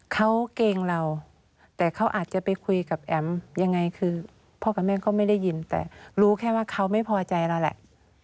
เขาเกรงเราแต่เขาอาจจะไปคุยกับแอ๋มยังไงคือพ่อกับแม่ก็ไม่ได้ยินแต่รู้แค่ว่าเขาไม่พอใจเราแหละ